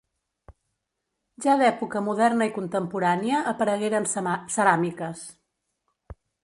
Ja d'època moderna i contemporània aparegueren ceràmiques.